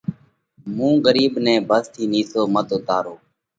مُون ڳرِيٻ نئہ ڀس ٿِي نِيسو مت اُوتارو۔